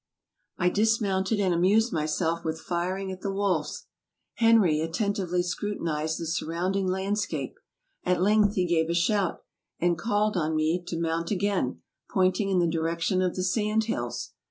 I dismounted and amused myself with firing at the wolves. Henry attentively scrutinized the surrounding land scape ; at length he gave a shout, and called on me to mount again, pointing in the direction of the sand hills.